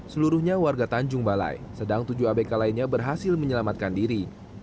seluruhnya warga tanjung balai sedang tujuh abk lainnya berhasil menyelamatkan diri